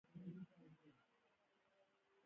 ملک صاحب په هر مجلس کې ډېرې ټوقې ټکالې کوي.